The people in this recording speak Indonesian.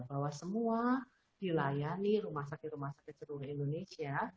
bahwa semua dilayani rumah sakit rumah sakit seluruh indonesia